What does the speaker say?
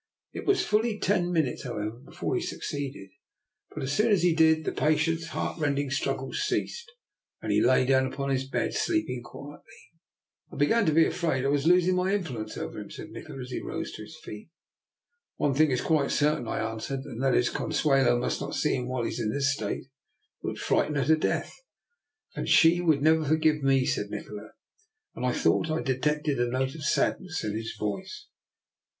It was fully ten minutes, however, before he suc ceeded; but as soon as he did, the patient's heartrending struggles ceased, and he lay down upon his bed sleeping quietly. " I began to be afraid I was losing my in fluence over him," said Nikola, as he rose to his feet. One thing is quite certain," I answered, and that is, Consuelo must not see him while he is in this state. It would frighten her to death." "And she would never forgive me," said Nikola; and I thought I detected a note of sadness in his voice.